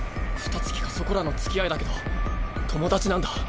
ふた月かそこらのつきあいだけど友達なんだ。